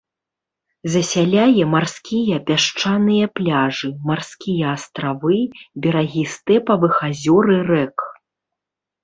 Засяляе марскія пясчаныя пляжы, марскія астравы, берагі стэпавых азёр і рэк.